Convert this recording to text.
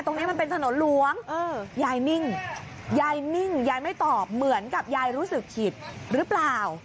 ตรงนี้มันเป็นถนนหลวงยายนิ่งยายนิ่งยายไม่ตอบเหมือนกับยายรู้สึกผิดหรือเปล่า